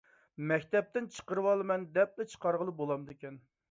مەكتەپتىن چىقىرىۋالىمەن دەپلا چىقارغىلى بولامدىكەن؟